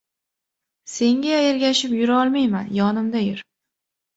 Senga ergashib yura olmayman. Yonimda yur.